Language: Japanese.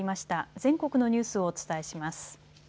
全国のニュースをお伝えします。